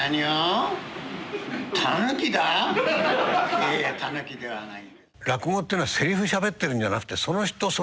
「いやいやタヌキではない」。